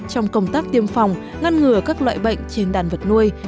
trong công tác tiêm phòng ngăn ngừa các loại bệnh trên đàn vật nuôi